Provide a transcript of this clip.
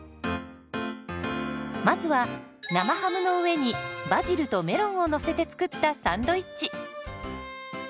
まずは生ハムの上にバジルとメロンをのせて作ったサンドイッチ。